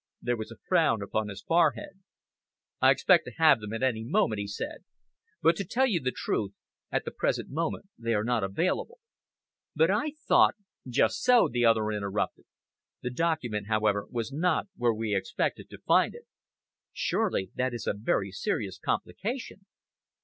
There was a frown upon his forehead. "I expect to have them at any moment," he said, "but to tell you the truth, at the present moment they are not available." "But I thought " "Just so," the other interrupted. "The document, however, was not where we expected to find it." "Surely that is a very serious complication?"